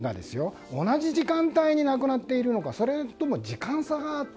このご両親が同じ時間帯に亡くなっているのかそれとも時間差があった。